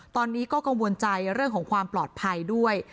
ตอนนี้ก็กังวลใจเรื่องของความปลอดภัยด้วย